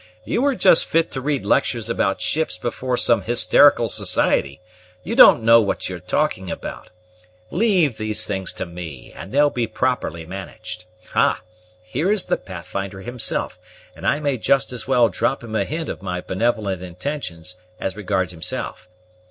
You are just fit to read lectures about ships before some hysterical society; you don't know what you are talking about; leave these things to me, and they'll be properly managed. Ah! Here is the Pathfinder himself, and I may just as well drop him a hint of my benevolent intentions as regards himself.